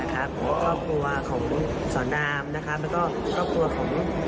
ครอบครัวของสรรามและเกี่ยวกับครอบครัวของ